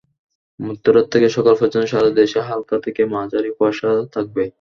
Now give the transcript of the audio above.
মধ্যরাত থেকে সকাল পর্যন্ত সারা দেশে হালকা থেকে মাঝারি কুয়াশা থাকবে।